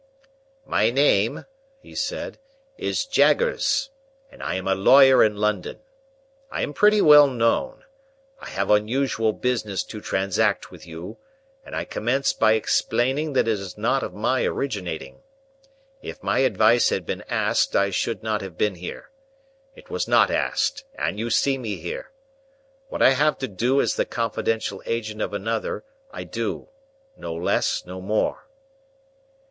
"My name," he said, "is Jaggers, and I am a lawyer in London. I am pretty well known. I have unusual business to transact with you, and I commence by explaining that it is not of my originating. If my advice had been asked, I should not have been here. It was not asked, and you see me here. What I have to do as the confidential agent of another, I do. No less, no more."